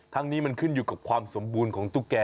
ทั้งนี้มันขึ้นอยู่กับความสมบูรณ์ของตุ๊กแก่